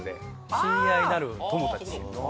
親愛なる友たち。